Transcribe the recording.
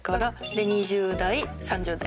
で２０代３０代。